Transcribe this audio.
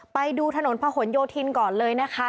ไปดูถนนพะหนโยธินก่อนเลยนะคะ